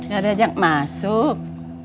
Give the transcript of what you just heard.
gak ada yang masuk